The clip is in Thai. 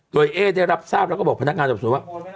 ตัวไอ้ได้รับทราบแล้วก็บอกพนักงานสอบส่วนว่ะบ่นไม่นะ